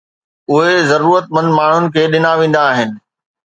اهي ضرورتمند ماڻهن کي ڏنا ويندا آهن